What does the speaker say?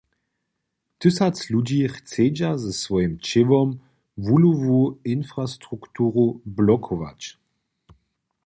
Tysacy ludźi chcedźa ze swojim ćěłom wuhlowu infrastrukturu blokować.